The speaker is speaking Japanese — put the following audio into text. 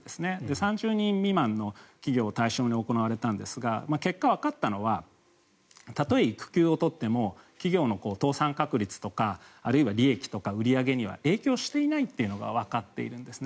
３０人未満の企業を対象に行われたんですが結果、わかったのはたとえ育休を取っても企業の倒産確率とかあるいは利益とか売り上げには影響していないというのがわかっているんですね。